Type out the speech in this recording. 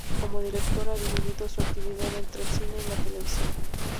Como director ha dividido su actividad entre el cine y la televisión.